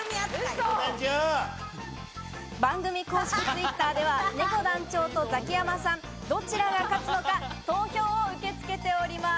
番組公式Ｔｗｉｔｔｅｒでは、ねこ団長とザキヤマさん、どちらが勝つのか投票を受け付けております。